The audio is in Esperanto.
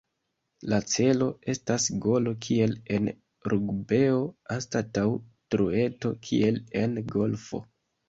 La celo estas golo kiel en rugbeo anstataŭ trueto kiel en golfo.